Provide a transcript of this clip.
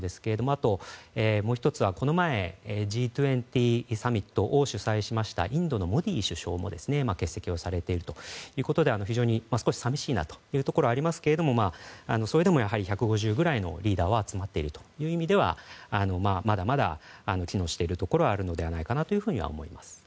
あとは、もう１つはこの前Ｇ２０サミットを主催しましたインドのモディ首相も欠席されているということで少し寂しいなというところはありますけれどもそれでも１５０ぐらいのリーダーが集まっているという意味ではまだまだ機能しているところはあるのではないかと思います。